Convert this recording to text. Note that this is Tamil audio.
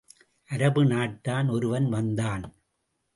அரபு நாட்டான் ஒருவன் வந்தான்.